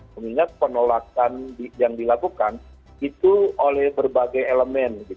mengingat penolakan yang dilakukan itu oleh berbagai elemen